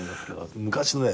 昔のね